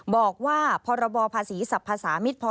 บอกว่าพรภศภภศ๒๕๖๐